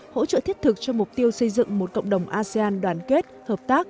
hỗ trợ thiết thực cho mục tiêu xây dựng một cộng đồng asean đoàn kết